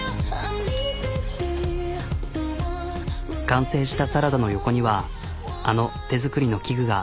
完成したサラダの横にはあの手作りの器具が。